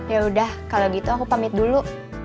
yaudah kalau gitu aku pamit dulu